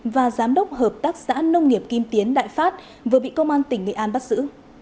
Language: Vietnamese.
và giám đốc hợp tác xã nông nghiệp kim tiến đại phát vừa bị công an tỉnh nghệ an bắt giữ